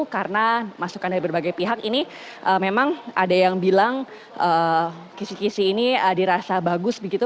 karena masukan dari berbagai pihak ini memang ada yang bilang kisi kisi ini dirasa bagus begitu